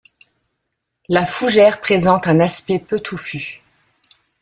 La fougère présente un aspect peu touffu.